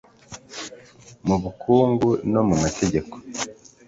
mu bukungu no mumategeko